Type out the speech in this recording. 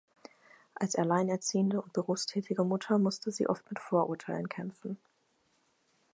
Als alleinerziehende und berufstätige Mutter musste sie oft mit Vorurteilen kämpfen.